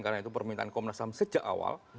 karena itu permintaan komnasam sejak awal